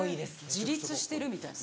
自立してるみたいな。